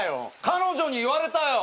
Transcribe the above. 彼女に言われたよ。